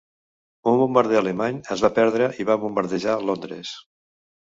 Un bombarder alemany es va perdre i va bombardejar Londres.